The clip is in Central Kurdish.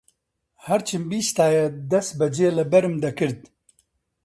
هەر چیم بیستایە دەس بەجێ لە بەرم دەکرد